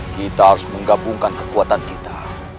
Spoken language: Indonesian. kita harus menggabungkan kekuatan kita